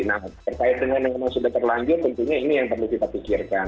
nah perkayaannya memang sudah terlanjur tentunya ini yang perlu kita pikirkan